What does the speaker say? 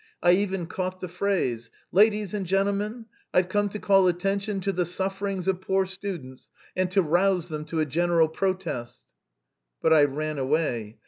I even caught the phrase: "Ladies and gentlemen, I've come to call attention to the sufferings of poor students and to rouse them to a general protest..." But I ran away.